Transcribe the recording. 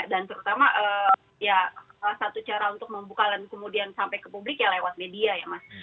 dan terutama ya salah satu cara untuk membukalan kemudian sampai ke publik ya lewat media ya mas